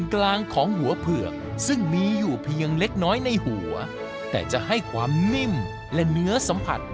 ครับจะได้กินทั้งหมด๓จานครับผมนะครับ